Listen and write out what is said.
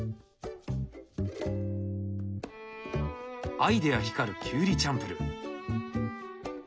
アイデア光るきゅうりチャンプルー。